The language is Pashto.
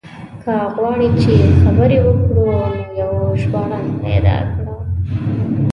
که غواړې چې خبرې وکړو نو يو ژباړن پيدا کړه.